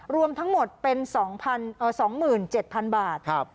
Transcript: รวมทั้งหมดเป็นสองหมื่นเจ็ดพันบาทครับ